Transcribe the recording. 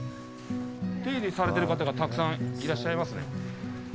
手入れされてる方がたくさんいらっしゃいますね。